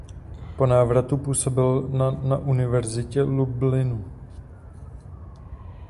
Po návratu působil na na Univerzitě v Lublinu.